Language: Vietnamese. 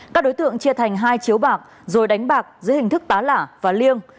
các đối tượng chia thành hai chiếu bạc rồi đánh bạc dưới hình thức tá lả và liêng